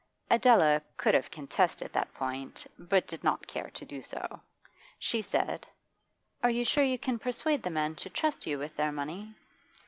Adela could have contested that point, but did not care to do so. She said: 'Are you sure you can persuade the men to trust you with their money?